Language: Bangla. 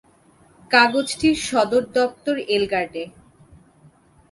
কাগজটির সদর দফতর এলগার্ডে।